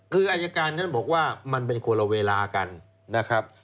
คืออายการท่านบอกว่ามันเป็นคนละเวลากันนะครับ